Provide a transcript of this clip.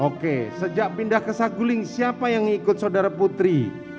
oke sejak pindah ke saguling siapa yang ikut saudara putri